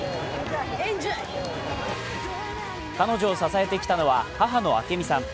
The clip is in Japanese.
彼女を支えてきたのは母の明美さん。